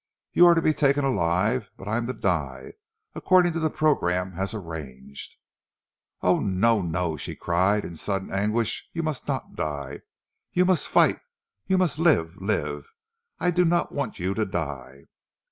You are to be taken alive, but I am to die, according to the program as arranged!" "Oh, no! no!" she cried in sudden anguish. "You must not die. You must fight! You must live! live! I do not want you to die!"